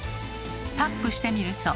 タップしてみると。